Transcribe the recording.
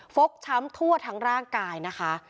ฟกช้ำทั่วทั้งร่างกายนะคะ